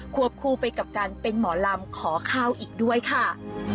วบคู่ไปกับการเป็นหมอลำขอข้าวอีกด้วยค่ะ